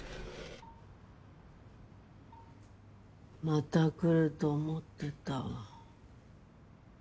また来ると思ってた。